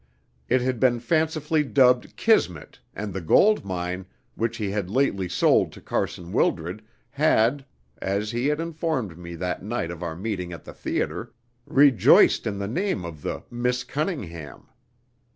It had been fancifully dubbed "Kismet," and the gold mine, which he had lately sold to Carson Wildred, had (as he had informed me that night of our meeting at the theatre) rejoiced in the name of the "Miss Cunningham."